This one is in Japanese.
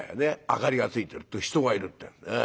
明かりがついてると人がいるってんで。